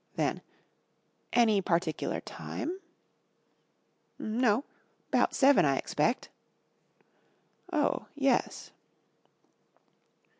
Then, "Any particular time?" "No. 'Bout seven, I expect." "Oh, yes."